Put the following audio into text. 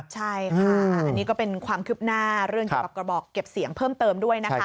ใช่ค่ะอันนี้ก็เป็นความคืบหน้าเรื่องเกี่ยวกับกระบอกเก็บเสียงเพิ่มเติมด้วยนะคะ